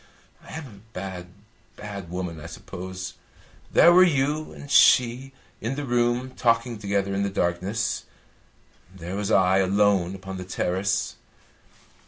I am a bad, bad woman, I suppose. There were you and she in the room talking together in the darkness; there was I alone upon the terrace.